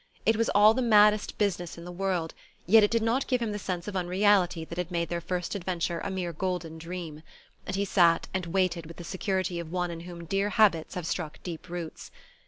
It was all the maddest business in the world, yet it did not give him the sense of unreality that had made their first adventure a mere golden dream; and he sat and waited with the security of one in whom dear habits have struck deep roots.